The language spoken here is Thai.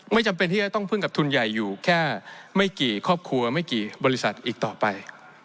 จำเป็นที่จะต้องพึ่งกับทุนใหญ่อยู่แค่ไม่กี่ครอบครัวไม่กี่บริษัทอีกต่อไป